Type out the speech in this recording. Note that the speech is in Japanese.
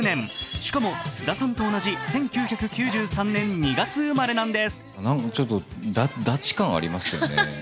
しかも、菅田さんと同じ１９９３年２月生まれなんです。